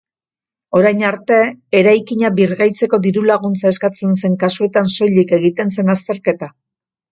Orain arte, eraikina birgaitzeko diru-laguntza eskatzen zen kasuetan soilik egiten zen azterketa.